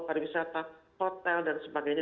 pariwisata hotel dan sebagainya